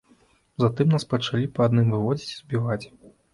Затым нас пачалі па адным выводзіць і збіваць.